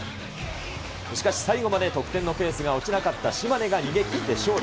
しかし最後まで得点のペースが落ちなかった島根が逃げ切って勝利。